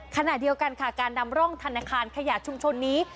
ขณะเดียวกันค่ะการนำร่องธนาคารขยะชุมชนนี้